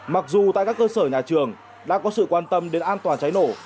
mặc dù tại các cơ sở nhà trường đã có sự quan tâm đến an toàn cháy nổ